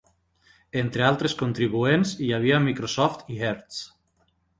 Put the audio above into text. Entre altres contribuents hi havia Microsoft i Hertz.